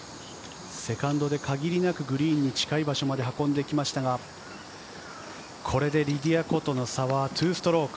セカンドで限りなくグリーンに近い場所まで運んできましたが、これでリディア・コとの差は２ストローク。